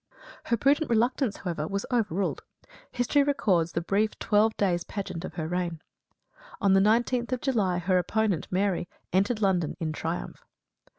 Her prudent reluctance, however, was overruled. History records the brief twelve days' pageant of her reign. On the 19th of July her opponent, Mary entered London in triumph.